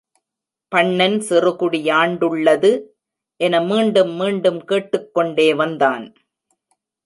பண்ணன் சிறுகுடி யாண்டுள்ளது? என மீண்டும் மீண்டும் கேட்டுக் கொண்டே வந்தான்.